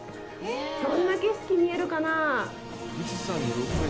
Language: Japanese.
どんな景色、見えるかなあ？